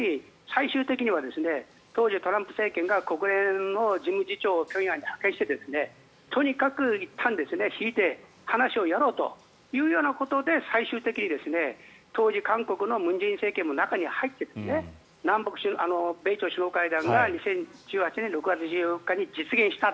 最終的には当時、トランプ政権が国連の事務次長を平壌に派遣してとにかくいったん引いて話をやろうということで最終的に当時、韓国の文在寅政権も中に入っていって米朝首脳会談が２０１８年６月１４日に実現した。